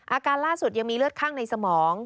อาการล่าสุดยังมีเลือดข้างในสมอง